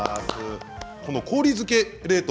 この氷漬け冷凍